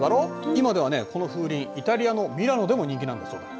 この風鈴イタリアのミラノでも人気なんだそうだ。